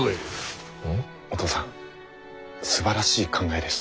お父さんすばらしい考えです。